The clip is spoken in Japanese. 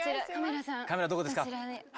カメラどこですか？